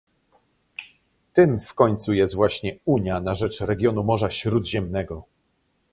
Tym w końcu jest właśnie Unia na rzecz Regionu Morza Śródziemnego